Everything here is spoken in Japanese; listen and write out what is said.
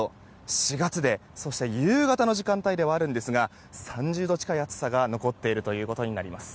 ４月でそして夕方の時間帯ではあるんですが３０度近い暑さが残っているということになります。